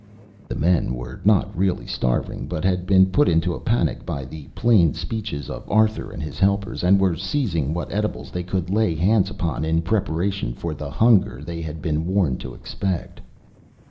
The men were not really starving, but had been put into a panic by the plain speeches of Arthur and his helpers, and were seizing what edibles they could lay hands upon in preparation for the hunger they had been warned to expect.